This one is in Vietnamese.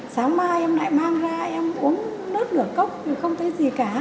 sáng mai em lại mang ra em uống nước nửa cốc thì không thấy gì cả